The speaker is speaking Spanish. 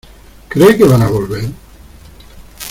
¿ cree que van a volver?